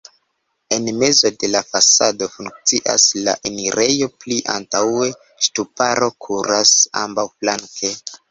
En mezo de la fasado funkcias la enirejo, pli antaŭe ŝtuparo kuras ambaŭflanke.